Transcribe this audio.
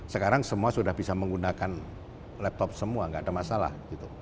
sekarang semua sudah bisa menggunakan laptop semua nggak ada masalah